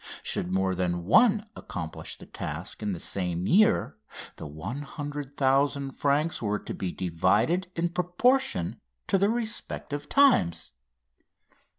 Should more than one accomplish the task in the same year the 100,000 francs were to be divided in proportion to the respective times.